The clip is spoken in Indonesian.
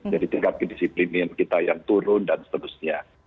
jadi tingkat kedisiplinan kita yang turun dan seterusnya